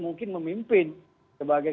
mungkin memimpin sebagai